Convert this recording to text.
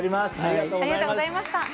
ありがとうございます。